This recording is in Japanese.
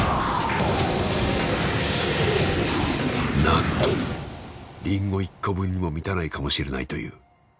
なんとリンゴ１個分にも満たないかもしれないという。